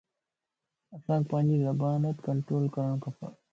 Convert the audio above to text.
انسان ک پانجي زبان تَ ڪنٽرول ڪرڻ کپ